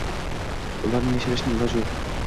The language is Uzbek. ularni yashirishning iloji yo‘q